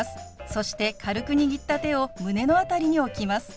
そして軽く握った手を胸の辺りに置きます。